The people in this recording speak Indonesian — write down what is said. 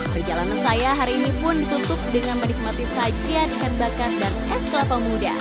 perjalanan saya hari ini pun ditutup dengan menikmati sajian ikan bakar dan es kelapa muda